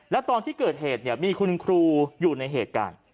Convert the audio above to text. แล้วตอนที่เกิดเหตุเนี่ยมีคุณครูอยู่ในเหตุการณ์